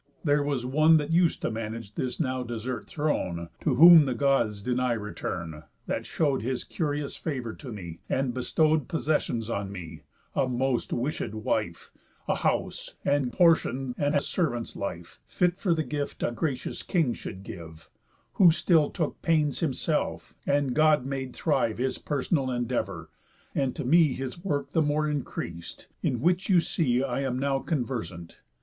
There was one That us'd to manage this now desert throne, To whom the Gods deny return, that show'd His curious favour to me, and bestow'd Possessions on me, a most wishéd wife, A house, and portion, and a servant's life, Fit for the gift a gracious king should give; Who still took pains himself, and God made thrive His personal endeavour, and to me His work the more increas'd, in which you see I now am conversant.